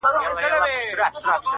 په خپل كور كي يې لرمه مثالونه-